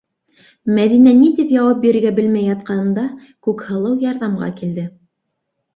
Мәҙинә ни тип яуап бирергә белмәй ятҡанында Күкһылыу ярҙамға килде.